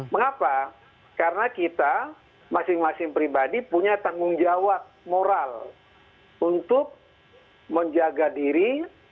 mengapa karena kita masing masing pribadi punya tanggung jawab moral untuk menjaga diri